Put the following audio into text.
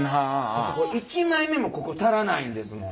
だってこれ１枚目もここ足らないんですもん。